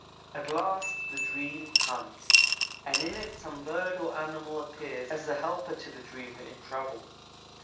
At last the dream comes, and in it some bird or animal appears as a helper to the dreamer, in trouble.